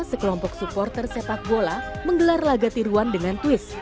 sekelompok supporter sepak bola menggelar laga tiruan dengan twist